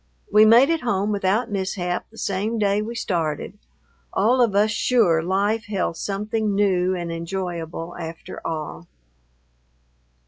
We made it home without mishap the same day we started, all of us sure life held something new and enjoyable after all.